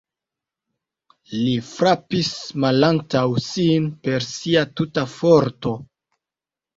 Li frapis malantaŭ sin per sia tuta forto.